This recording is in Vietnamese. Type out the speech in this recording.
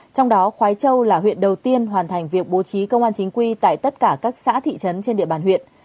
trong đó khói châu là huyện đầu tiên hoàn thành việc bố trí công an chính quy tại tất cả các xã thị trấn trên địa bàn huyện